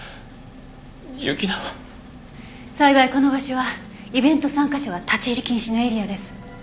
幸いこの場所はイベント参加者は立ち入り禁止のエリアです。